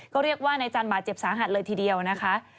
ก็เรียกว่านายจันทร์บาดเจ็บสาหัสเลยทีเดียวนะคะ